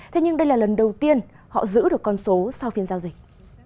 thế nhưng đây là lần đầu tiên họ giữ được con số sau phiên giao dịch